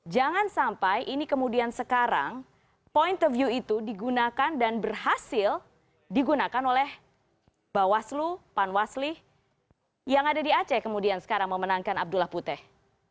jangan sampai ini kemudian sekarang point of view itu digunakan dan berhasil digunakan oleh bawaslu panwasli yang ada di aceh kemudian sekarang memenangkan abdullah putih